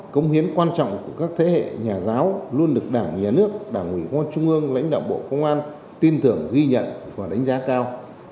công hiến quan trọng của các thế hệ nhà giáo luôn được đảng nhà nước đảng ủy quan trung ương lãnh đạo bộ công an tin tưởng ghi nhận và đánh giá cao